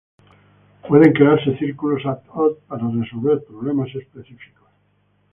Pueden crearse círculos "ad hoc" parar resolver problemas específicos.